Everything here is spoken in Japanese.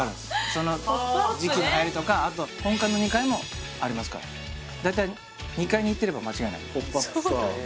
その時期のはやりとかあと本館の２階もありますから大体２階に行ってれば間違いないポップアップストア